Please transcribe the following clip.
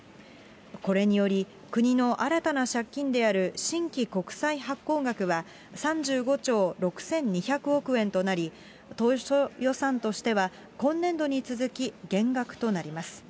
これにより、国の新たな借金である新規国債発行額は、３５兆６２００億円となり、当初予算としては、今年度に続き、減額となります。